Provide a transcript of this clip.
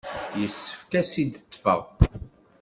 Yessefk ad t-id-ṭṭfeɣ.